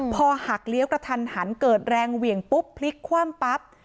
พอหักเลี้ยวกระทันหันเกิดแรงเหวี่ยงปุ๊บพลิกคว่ำปั๊บ